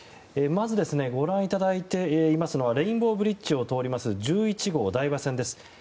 まず、ご覧いただいているのはレインボーブリッジを通ります１１号台場線です。